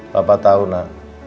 papa tahu nak